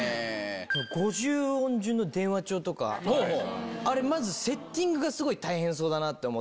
５０音順の電話帳とか、あれ、まずセッティングがすごい大変そうだなって思って。